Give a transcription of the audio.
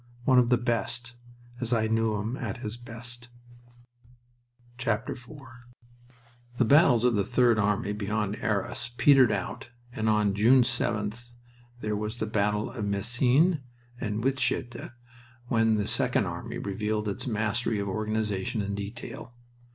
One of the best, as I knew him at his best. IV The battles of the Third Army beyond Arras petered out and on June 7th there was the battle of Messines and Wytschaete when the Second Army revealed its mastery of organization and detail.